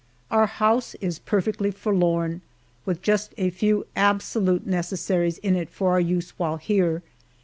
Our house is perfectly forlorn, with just a few absolute necessaries in it for our use while here.